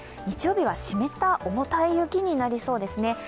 日曜日は湿った重たい雪になりそうですね。